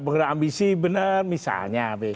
berambisi bener misalnya